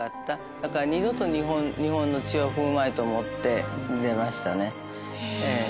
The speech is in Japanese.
だから二度と日本の地を踏むまいと思って出ましたね。